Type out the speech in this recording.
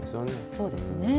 そうですね。